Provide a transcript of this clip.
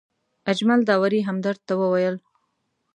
اجمل داوري همدرد ته وویل.